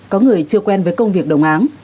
có người chưa quen với công việc đồng áng